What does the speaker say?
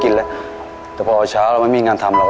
กินแล้วเดี๋ยวพออาจเช้าเราไม่มีงานทำหรอก